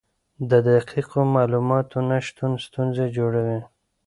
د دقیقو معلوماتو نشتون ستونزې جوړوي.